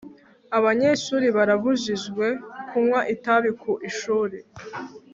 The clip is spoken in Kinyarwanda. abanyeshuri barabujijwe kunywa itabi ku ishuri